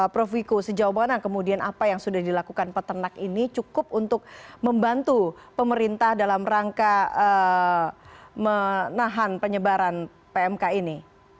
prof wiko sejauh mana kemudian apa yang sudah dilakukan peternak ini cukup untuk membantu pemerintah dalam rangka menahan penyebaran pmk ini